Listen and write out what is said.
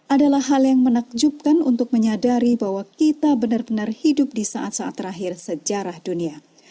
adalah hal yang menakjubkan untuk menyadari bahwa kita benar benar hidup di saat saat terakhir sejarah dunia